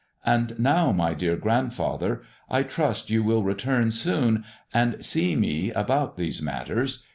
" And now, my dear grandfather, I trust you will return soon and see me about these matters.